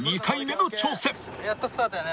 やっとスタートだね。